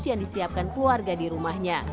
yang disiapkan keluarga di rumahnya